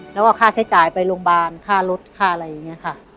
แล้วก็ค่าใช้จ่ายไปโรงพยาบาลค่ารถค่าอะไรอย่างนี้ค่ะ